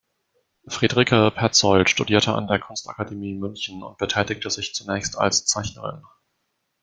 Friederike Pezold studierte an der Kunstakademie München und betätigte sich zunächst als Zeichnerin.